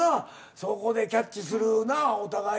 そこでキャッチするなあお互い。